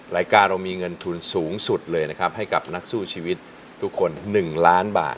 รายการเรามีเงินทุนสูงสุดเลยนะครับให้กับนักสู้ชีวิตทุกคน๑ล้านบาท